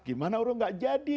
gimana orang tidak jadi